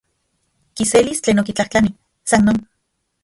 Kiselis tlen okitlajtlani, san non.